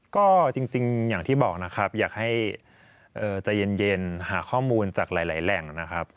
ก็จริงอย่างที่บอกนะครับอยากให้ใจเย็นหาข้อมูลจากหลายแหล่งนะครับ